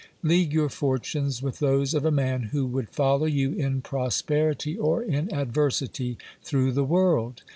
League your fortunes with those of a man who would follow you in prosperity or in adversity through the world.